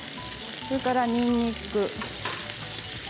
それから、にんにく。